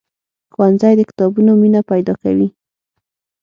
ښوونځی د کتابونو مینه پیدا کوي.